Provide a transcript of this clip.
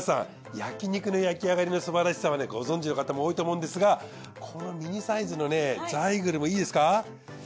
焼き肉の焼き上がりのすばらしさはご存じの方も多いと思うんですがこのミニサイズのザイグルもいいですか？